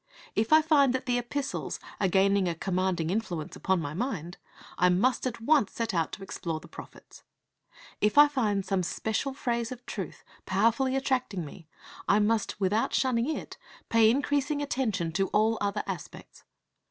If I find that the Epistles are gaining a commanding influence upon my mind, I must at once set out to explore the prophets. If I find some special phase of truth powerfully attracting me, I must, without shunning it, pay increasing attention to all other aspects.